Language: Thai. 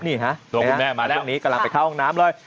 นี่ฮะตอนนี้กำลังไปเข้าห้องน้ำเลย